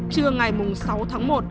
trưa ngày sáu tháng một